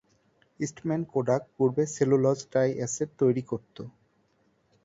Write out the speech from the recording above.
Eastman Kodak পূর্বে cellulose triacetate তৈরি করত।